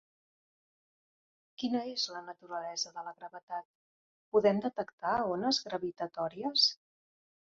Quina és la naturalesa de la gravetat?, Podem detectar ones gravitatòries?